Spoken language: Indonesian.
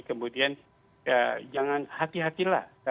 kemudian jangan hati hatilah